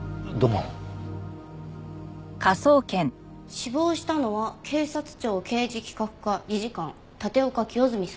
死亡したのは警察庁刑事企画課理事官立岡清純さん。